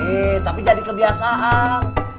he tapi jadi kebiasaan